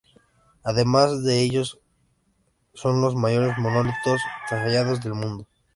Algunos de ellos son los mayores monolitos tallados del mundo.